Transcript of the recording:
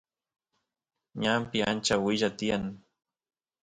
ñanpi achka willa tiyan